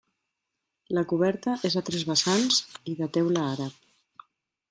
La coberta és a tres vessants i de teula àrab.